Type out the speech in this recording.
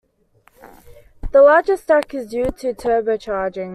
The larger stack is due to turbocharging.